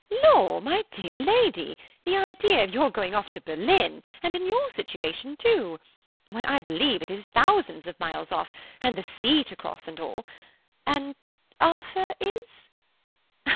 "Law! my dear lady, the idea of your going off to Berlin, and in your situation, too! Why, I believe it is thousands of miles off, and the sea to cross and all! And Arthur is?"